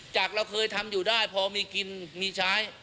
เราเคยทำอยู่ได้พอมีกินมีใช้